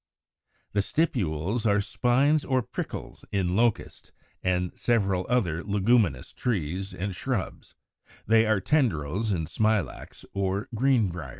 180. The stipules are spines or prickles in Locust and several other Leguminous trees and shrubs; they are tendrils in Smilax or Greenbrier.